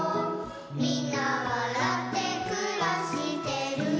「みんなわらってくらしてる」